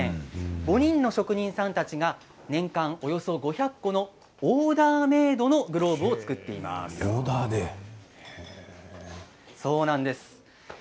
５人の職人さんたちが年間およそ５００個のオーダーメードのグローブを作っています。